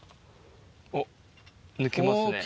おっ抜けますね。